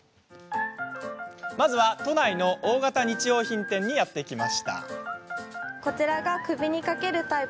まずは、都内の大型日用品店にやって来ました。